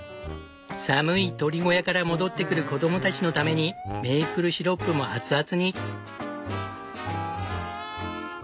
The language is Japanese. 寒い鶏小屋から戻ってくる子供たちのためにメープルシロップも熱々に。